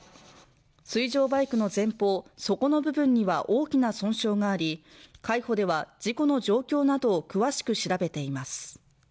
水上バイクの前方底の部分には大きな損傷があり海保では事故の状況などを詳しく調べています